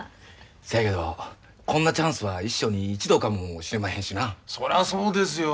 そやけどこんなチャンスは一生に一度かもしれまへんしな。そらそうですよ。